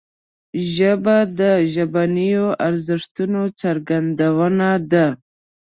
ژبه د ژبنیو ارزښتونو څرګندونه ده